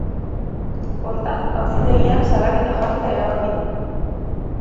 Hortaz, auzitegian salaketa jartzea erabaki du.